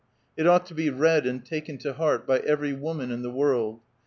II ought to be read and taken to heart by every woman in the world.